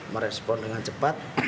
merespon dengan cepat